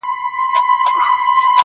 چي ته د چا د حُسن پيل يې ته چا پيدا کړې~